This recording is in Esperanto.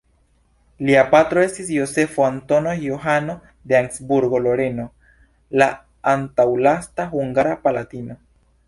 Lia patro estis Jozefo Antono Johano de Habsburgo-Loreno, la antaŭlasta hungara palatino.